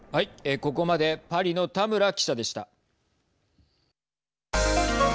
ここまでパリの田村記者でした。